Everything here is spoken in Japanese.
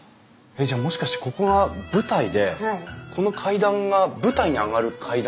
じゃあもしかしてここは舞台でこの階段が舞台に上がる階段？